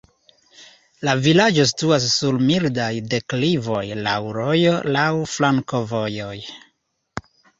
La vilaĝo situas sur mildaj deklivoj, laŭ rojo, laŭ flankovojoj.